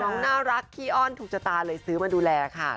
น้องน่ารักขี้อ้อนถูกชะตาเลยซื้อมาดูแลค่ะ